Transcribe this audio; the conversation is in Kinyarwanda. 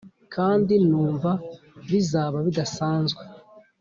kandi numva bizaba bidasanzwe,